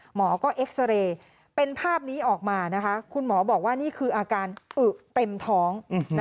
หมอก็เอ็กซาเรย์เป็นภาพนี้ออกมานะคะคุณหมอบอกว่านี่คืออาการอึเต็มท้อง